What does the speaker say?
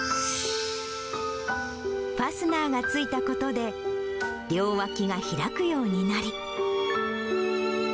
ファスナーが付いたことで、両脇が開くようになり。